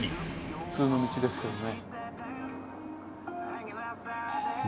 普通の道ですけどね。